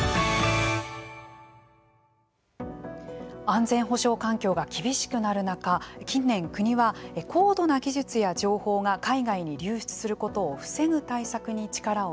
安全保障環境が厳しくなる中近年、国は高度な技術や情報が海外に流出することを防ぐ対策に力を入れています。